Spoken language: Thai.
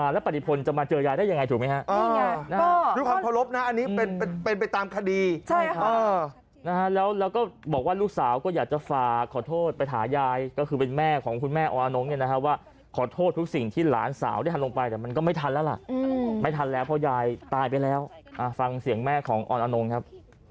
แล้วเราก็บอกว่าลูกสาวก็อยากจะฝากขอโทษไปถ่ายายก็คือเป็นแม่ของคุณแม่ออนอนงค์เนี่ยนะครับว่าขอโทษทุกสิ่งที่หลานสาวได้ทำลงไปแต่มันก็ไม่ทันแล้วล่ะไม่ทันแล้วเพราะยายตายไปแล้วฟังเสียงแม่ของออนอนงค์ครับ